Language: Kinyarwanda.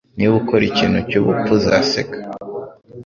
Niba ukora ikintu cyubupfu, uzaseka.